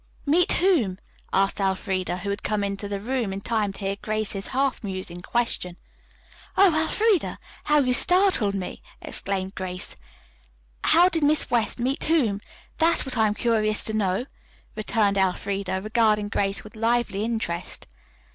"Meet whom?" asked Elfreda, who had come into the room in time to hear Grace's half musing question. "Oh, Elfreda. How you startled me!" exclaimed Grace. "How did Miss West meet whom? That's what I am curious to know," returned Elfreda, regarding Grace with lively interest.